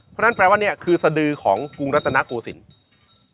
เพราะฉะนั้นแปลว่านี่คือสดือของกรุงรัฐนาโกศิลป์